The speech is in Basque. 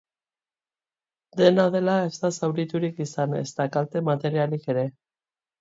Dena dela, ez da zauriturik izan, ezta kalte materialik ere.